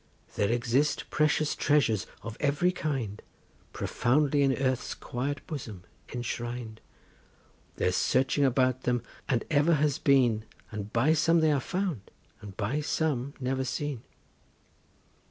There exist precious treasures of every kind Profoundly in earth's quiet bosom enshrin'd; There's searching about them, and ever has been, And by some they are found, and by some never seen.